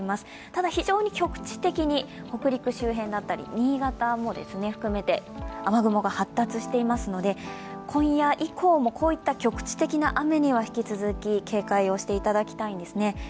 ただ非常に局地的に、北陸周辺だったり新潟も含めて雨雲が発達していますので今夜以降もこういった局地的な雨には引き続き警戒をしていただきたいんですね。